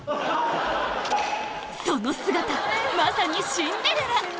その姿まさにシンデレラ！